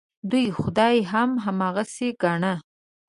دوی خدای هم هماغسې ګاڼه.